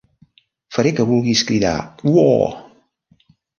Faré que vulguis cridar "Uoooo!".